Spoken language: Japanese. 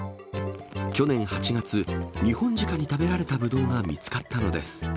去年８月、ニホンジカに食べられたブドウが見つかったのです。